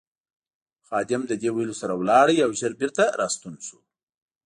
خادم له دې ویلو سره ولاړ او ژر بېرته راستون شو.